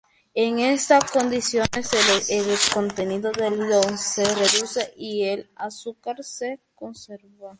En estas condiciones, el contenido de almidón se reduce y el azúcar se concentra.